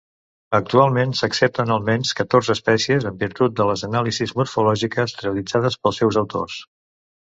Actualment s'accepten almenys catorze espècies en virtut de les anàlisis morfològiques realitzades pels seus autors.